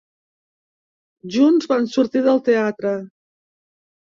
Junts van sortir del teatre.